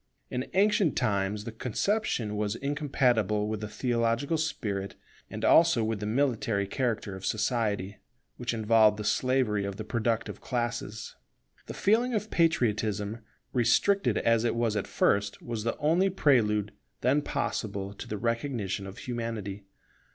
In ancient times the conception was incompatible with the theological spirit and also with the military character of society, which involved the slavery of the productive classes. The feeling of Patriotism, restricted as it was at first, was the only prelude then possible to the recognition of Humanity.